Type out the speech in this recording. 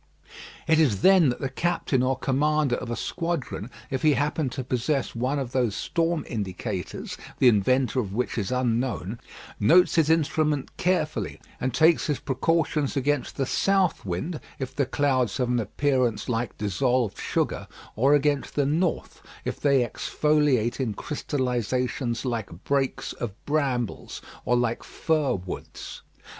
It is then that the captain or commander of a squadron, if he happen to possess one of those storm indicators, the inventor of which is unknown, notes his instrument carefully and takes his precautions against the south wind, if the clouds have an appearance like dissolved sugar; or against the north, if they exfoliate in crystallisations like brakes of brambles, or like fir woods.